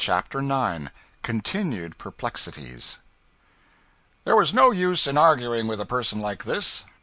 CHAPTER 9 Continued Perplexities THERE was no use in arguing with a person like this.